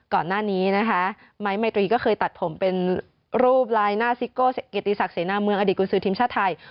ก่อนหน้านี้นะคะไม้ไมตรีก็เคยตัดผมเป็นรูปลายหน้าซิโก้เกียรติศักดิเสนาเมืองอดีตกุญสือทีมชาติไทย